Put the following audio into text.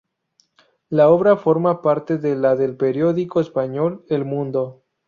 La obra forma parte de la del periódico español "El Mundo".